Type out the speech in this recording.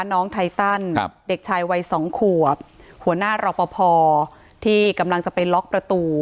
ไทตันเด็กชายวัยสองขวบหัวหน้ารอปภที่กำลังจะไปล็อกประตู